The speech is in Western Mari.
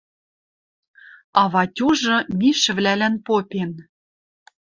А Ватюжы мишӹвлӓлӓн попен: